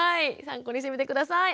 参考にしてみて下さい。